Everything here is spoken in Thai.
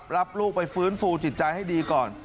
รับลูกไปฟื้นฟูจิตใจให้ดีก่อน